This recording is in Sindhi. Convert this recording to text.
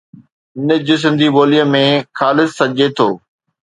نج سنڌي ٻوليءَ ۾ خالص سڏجي ٿو.